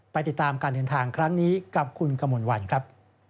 ติดตามการเดินทางครั้งนี้กับคุณกมลวันครับ